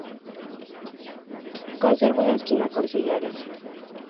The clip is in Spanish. Conserva una esquina con sillares.